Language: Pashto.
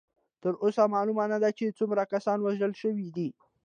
تر اوسه معلومه نه ده چې څومره کسان وژل شوي دي.